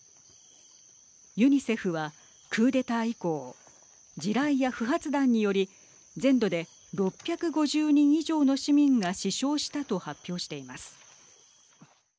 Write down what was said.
ユニセフはクーデター以降地雷や不発弾により全土で６５０人以上の市民が死傷したと発表しています。